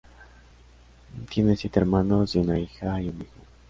Tiene siete hermanos y una hija y un hijo.